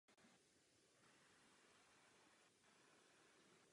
Pro odvolání se ke Správnímu soudnímu dvoru je ale vždy zapotřebí mít advokáta.